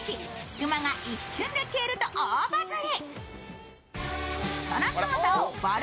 クマが一瞬で消えると大バズり。